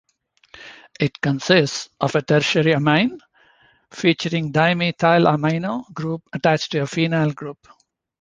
It consists of a tertiary amine, featuring dimethylamino group attached to a phenyl group.